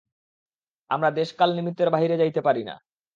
আমরা দেশ-কাল-নিমিত্তের বাহিরে যাইতে পারি না।